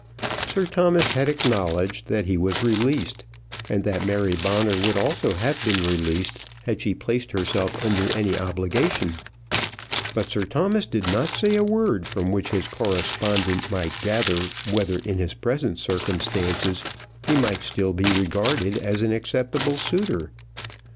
Sir Thomas had acknowledged that he was released, and that Mary Bonner would also have been released had she placed herself under any obligation; but Sir Thomas did not say a word from which his correspondent might gather whether in his present circumstances he might still be regarded as an acceptable suitor.